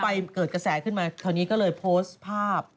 ไปเกิดกระแสขึ้นมาคราวนี้ก็เลยโพสต์ภาพ